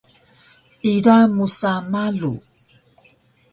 ida musa malu